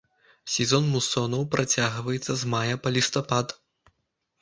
Сезон мусонаў працягваецца з мая па лістапад.